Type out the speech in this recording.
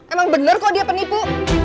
emang bener kok dia penipu